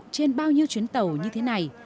trên bao nhiêu chuyến tàu như thế này